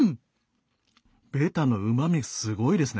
ベタのうまみすごいですね。